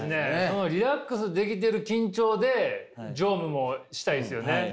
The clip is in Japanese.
そのリラックスできてる緊張で乗務もしたいですよね。